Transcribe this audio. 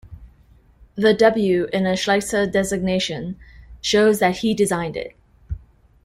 The 'W' in a Schleicher designation shows that he designed it.